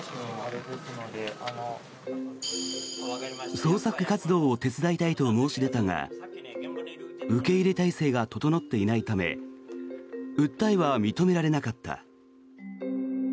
捜索活動を手伝いたいと申し出たが受け入れ態勢が整っていないため訴えは認められなかった。